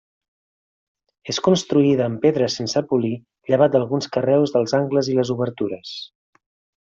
És construïda amb pedres sense polir llevat d'alguns carreus dels angles i les obertures.